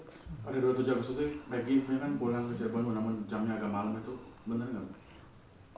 pada dua puluh tujuh agustus itu peggy pulang ke cirebon namun jamnya agak malam itu benar tidak